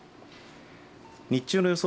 日中の予想